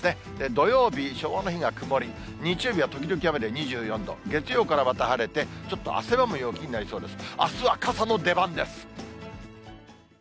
土曜日、昭和の日が曇り、日曜日は時々雨で２４度、月曜からまた晴れて、ちょっと汗ばむ陽気になりそうです。